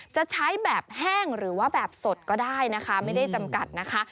จะใช้แบบแห้งหรือว่าแบบสดก็ได้นะคะไม่ได้จำกัดนะคะ